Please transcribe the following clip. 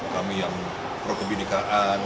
kami yang pro kebunyikaan